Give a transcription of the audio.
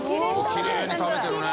きれいに食べてるね。